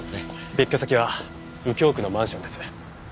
別居先は右京区のマンションです。